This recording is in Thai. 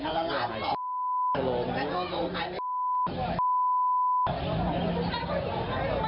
ยังลูกแบบไหน